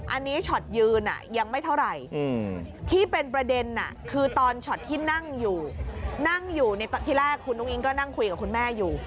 อันนี้ช็อตยืนยังไม่เท่าไหร่ที่เป็นประเด็นคือตอนช็อตที่นั่งอยู่นั่งอยู่ที่แรกคุณอุ้งอิงก็นั่งคุยกับคุณแม่อยู่